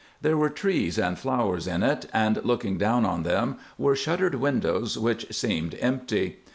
There were trees and flowers in it, and looking down on them were shuttered windows which seemed empty.